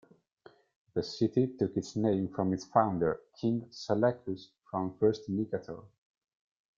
The city took its name from its founder, King Seleucus the First Nicator.